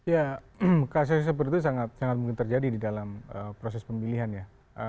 ya kasus seperti itu sangat mungkin terjadi di dalam proses pemilihan ya